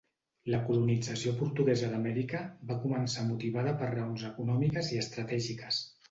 La colonització portuguesa d'Amèrica va començar motivada per raons econòmiques i estratègiques.